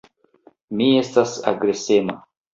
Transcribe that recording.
Mi estas agresema.